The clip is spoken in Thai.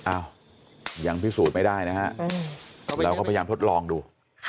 อ้าวยังพิสูจน์ไม่ได้นะฮะเราก็พยายามทดลองดู